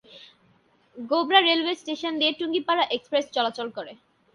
Gobra railway station দিয়ে Tungipara express চলাচল করে।